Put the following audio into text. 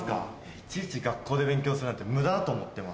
いちいち学校で勉強するなんて無駄だと思ってます。